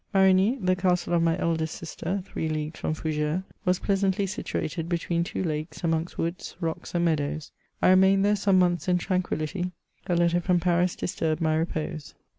Marfgny, the castle of my eldest sister, three leagues from Foug^res, was pleasantly situated between two lakes, amongst woods, rocks and meadows. I remained there some months in tranquillity. A letter from Pans disturbed my repose.